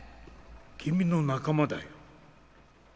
君の仲間だよ